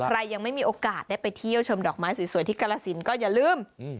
ยังไม่มีโอกาสได้ไปเที่ยวชมดอกไม้สวยที่กรสินก็อย่าลืม